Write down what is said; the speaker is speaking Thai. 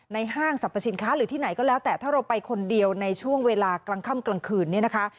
ห้างสรรพสินค้าหรือที่ไหนก็แล้วแต่ถ้าเราไปคนเดียวในช่วงเวลากลางค่ำกลางคืนเนี่ยนะคะ